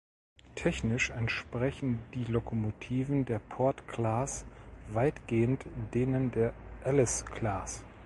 Technisch entsprechen die Lokomotiven der Port Class weitgehend denen der Alice Class.